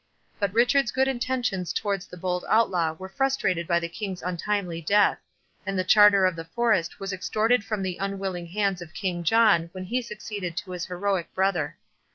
But Richard's good intentions towards the bold Outlaw were frustrated by the King's untimely death; and the Charter of the Forest was extorted from the unwilling hands of King John when he succeeded to his heroic brother.